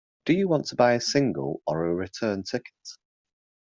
Do you want to buy a single or a return ticket?